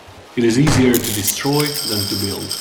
It is easier to destroy than to build.